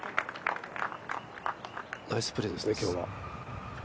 ナイスプレーですね今日は。